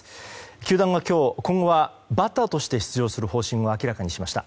球団は今日、今後はバッターとして出場する方針を明らかにしました。